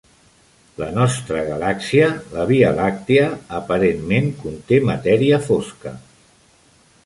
La nostra galàxia, la Via làctica, aparentment conté matèria fosca.